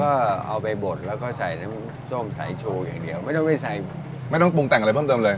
ก็เอาไปบดแล้วก็ใส่น้ำส้มใส่โชว์อย่างเดียวไม่ต้องไปใส่ไม่ต้องปรุงแต่งอะไรเพิ่มเติมเลย